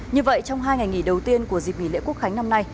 như vậy trong hai ngày nghỉ đầu tiên của dịp nghỉ lễ quốc khánh năm nay